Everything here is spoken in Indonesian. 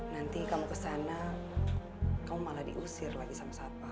nanti kamu kesana kamu malah diusir lagi sama satpa